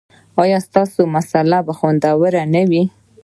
ایا ستاسو مصاله به خوندوره نه وي؟